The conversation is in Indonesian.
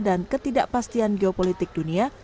dan ketidakpastian geopolitik dunia